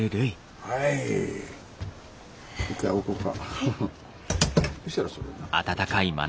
はい。